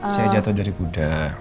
saya jatuh dari kuda